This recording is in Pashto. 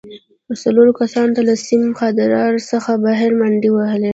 څلورو کسانو له سیم خاردار څخه بهر منډې وهلې